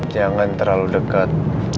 jangan terlalu deket